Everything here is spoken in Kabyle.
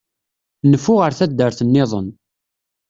Nfu ar taddart-nniḍen.